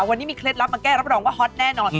วันนี้มีเคล็ดลับมาแก้รับรองว่าฮอตแน่นอน